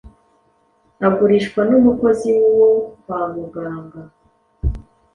agurishwa n'umukozi wo kwa muganga,